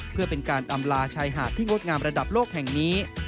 เพื่อเป็นการอำลาชายหาดที่งดงามระดับโลกแห่งนี้